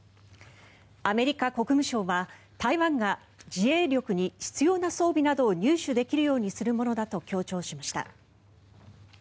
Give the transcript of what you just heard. アメリカ国務省は台湾が自衛力に必要な装備などを入手できるようにするものだと強調しました。